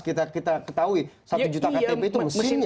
kita ketahui satu juta ktp itu mesinnya